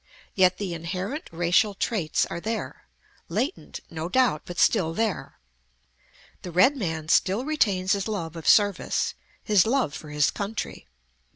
Yet the inherent racial traits are there: latent, no doubt, but still there. The red man still retains his love of service; his love for his country.